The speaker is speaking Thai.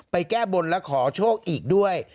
แก้บนและขอโชคอีกด้วย